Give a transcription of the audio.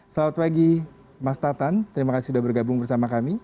selamat pagi mas tatan terima kasih sudah bergabung bersama kami